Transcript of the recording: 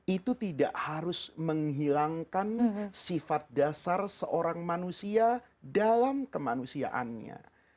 itu tidak harus menghilangkan sifat dasar seorang manusia dalam kemanusiaannya